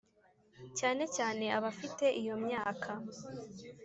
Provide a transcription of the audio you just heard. cyane cyane abafite iyo myaka